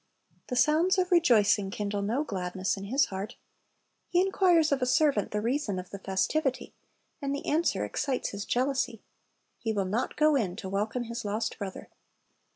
The sounds of rejoicing kindle no gladness in his heart. He inquires of a servant the reason of the festi\'ity, and the answer excites his jealousy. He will not go in to welcome his lost brother.